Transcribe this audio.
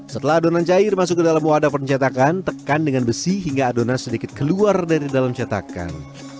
setelah adonan cair masuk ke dalam wadah pencetakan tekan dengan besi hingga adonan sedikit keluar dari dalam cetakan